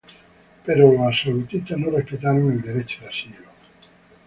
Pero los absolutistas no respetaron el derecho de asilo.